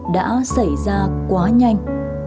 đã xảy ra quá nhanh